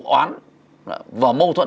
oán và mâu thuẫn